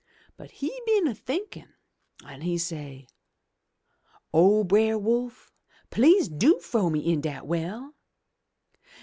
But he been a thinkin' an' he say, 'O Brer Wolf, please do frow me into de well